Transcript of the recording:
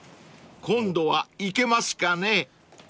［今度はいけますかね？］